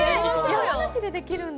山梨でできるんだ。